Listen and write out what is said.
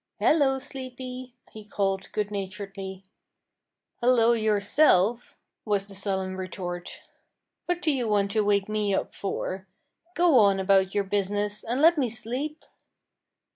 "Hello, Sleepy!" he called good naturedly. "Hello yourself!" was the sullen retort. "What do you want to wake me up for! Go on about your business, and let me sleep!"